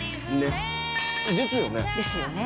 ですよね？